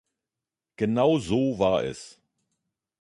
Genau so war es.